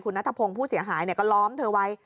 คุณณทะพงผู้เสียหายเนี่ยก็ล้อมเธอไว้